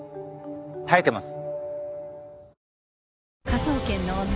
耐えてます。